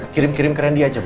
kirim kirim ke ren dia aja bu